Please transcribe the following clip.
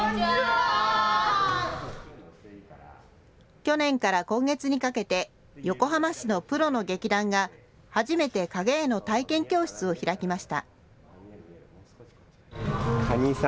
去年から今月にかけて横浜市のプロの劇団が初めて影絵の体験教室を開きました。